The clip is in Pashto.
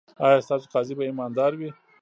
ایا ستاسو قاضي به ایماندار وي؟